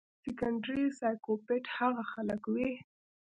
سيکنډري سائکوپېت هاغه خلک وي